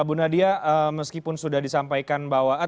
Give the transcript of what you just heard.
bu nadia meskipun sudah disampaikan bahwa